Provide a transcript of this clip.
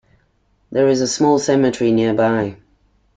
There is a small cemetery nearby.